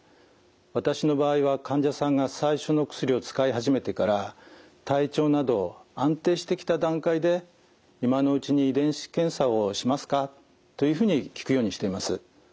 私の場合は患者さんが最初の薬を使い始めてから体調など安定してきた段階で「今のうちに遺伝子検査をしますか？」というふうに聞くようにしています。